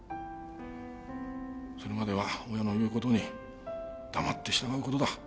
それまでは親の言うことに黙って従うことだ。